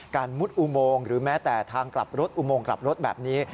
มุดอุโมงหรือแม้แต่ทางกลับรถอุโมงกลับรถแบบนี้